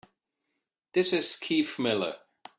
This is Keith Miller.